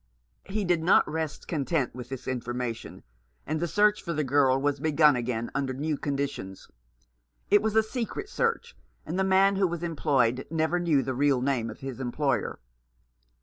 He did not rest content with this information ; and the search for the girl was begun again under new conditions. It was a secret search, and the man who was employed never knew the real name of his employer.